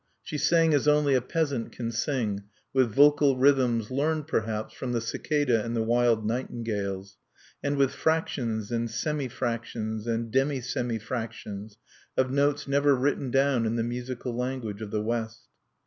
She sang as only a peasant can sing, with vocal rhythms learned, perhaps, from the cicada and the wild nightingales, and with fractions and semi fractions and demi semi fractions of tones never written down in the musical language of the West.